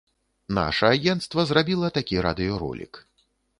Наша агенцтва зрабіла такі радыёролік.